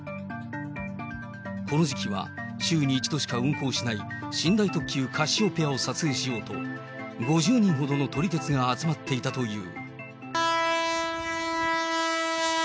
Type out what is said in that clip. この時期は週に１度しか運行しない寝台特急カシオペアを撮影しようと、５０人ほどの撮り鉄が集まっていたという。